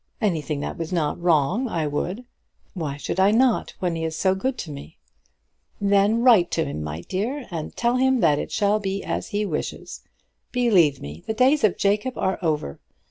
"Anything that was not wrong I would. Why should I not, when he is so good to me?" "Then write to him, my dear, and tell him that it shall be as he wishes it. Believe me, the days of Jacob are over.